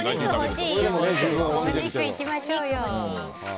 お肉いきましょうよ！